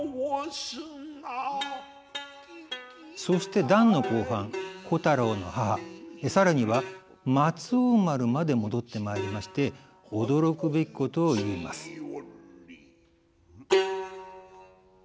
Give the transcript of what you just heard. そして段の後半小太郎の母更には松王丸まで戻ってまいりまして驚くべきことを言います。